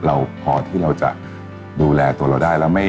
ส่วนความเพียงเราก็ถูกพูดอยู่ตลอดเวลาในเรื่องของความพอเพียง